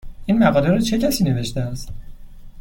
این مقاله را چه کسی نوشته است؟